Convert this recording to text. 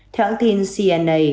theo hãng tin cna